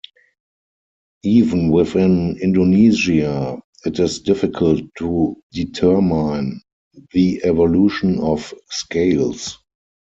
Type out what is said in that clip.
Even within Indonesia it is difficult to determine the evolution of scales.